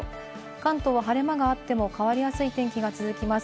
関東は晴れ間があっても変わりやすい天気が続きます。